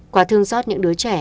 quả thương xót những đứa trẻ